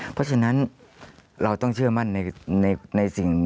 เพราะฉะนั้นเราต้องเชื่อมั่นในสิ่ง